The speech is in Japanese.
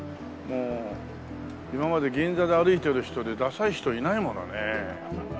今まで銀座で歩いてる人でダサい人いないものね。